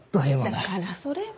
だからそれは。